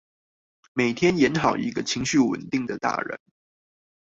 每天演好一個情緒穩定的大人